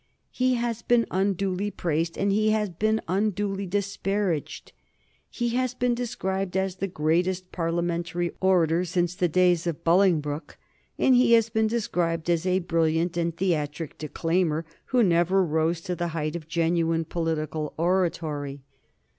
He has been unduly praised, and he has been unduly disparaged. He has been described as the greatest Parliamentary orator since the days of Bolingbroke, and he has been described as a brilliant and theatric declaimer who never rose to the height of genuine political oratory.